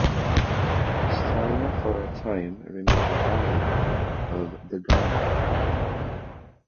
Pastrana for a time remained a barrio of Dagami.